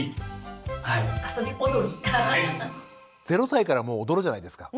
０歳からもう踊るじゃないですか。